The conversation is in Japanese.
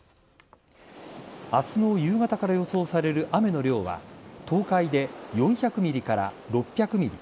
明日の夕方から予想される雨の量は東海で４００ｍｍから６００ｍｍ